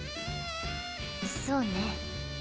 そうね。